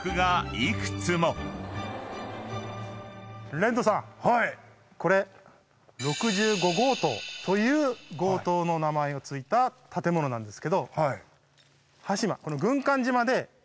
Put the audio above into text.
レッドさんこれ６５号棟という号棟の名前の付いた建物なんですけど端島この。